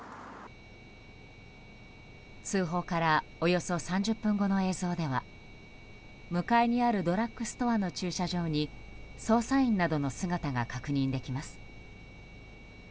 通報からおよそ３０分後の映像では向かいにあるドラッグストアの駐車場に捜査員などの姿が確認できます。